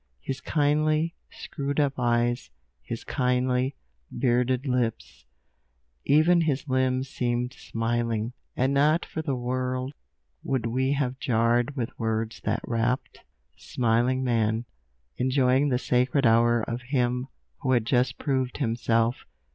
His kindly, screwed up eyes, his kindly, bearded lips, even his limbs seemed smiling; and not for the world would we have jarred with words that rapt, smiling man, enjoying the sacred hour of him who has just proved himself.